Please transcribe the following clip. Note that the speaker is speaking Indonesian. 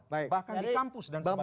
bahkan di kampus dan sebagainya